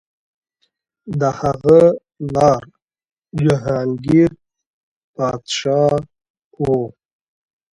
د هغه پلار جهانګیر پادشاه و.